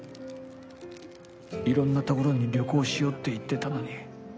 いろんなところに旅行しようって言ってたのに。